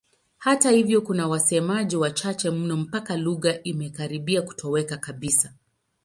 Hata hivyo kuna wasemaji wachache mno mpaka lugha imekaribia kutoweka kabisa.